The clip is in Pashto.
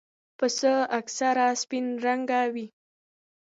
پسه اکثره سپین رنګه وي.